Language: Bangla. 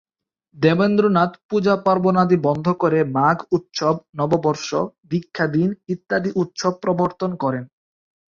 দেবেন্দ্রনাথ পূজা-পার্বণাদি বন্ধ করে ‘মাঘ উৎসব’, ‘নববর্ষ’, ‘দীক্ষা দিন’ ইত্যাদি উৎসব প্রবর্তন করেন।